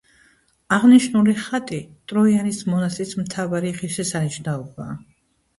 აღნიშნული ხატი ტროიანის მონასტრის მთავარი ღირსშესანიშნაობაა.